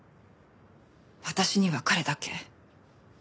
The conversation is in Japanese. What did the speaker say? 私には彼だけ。